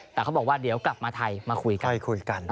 แต่เขาบอกว่าเดี๋ยวกลับมาไทยมาคุยกัน